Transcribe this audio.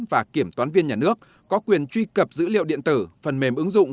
và kiểm toán viên nhà nước có quyền truy cập dữ liệu điện tử phần mềm ứng dụng